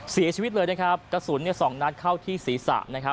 เสียชีวิตเลยนะครับกระสุนสองนัดเข้าที่ศีรษะนะครับ